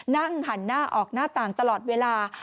นั่งหันหน้าออกหน้าต่างตลอดเวลา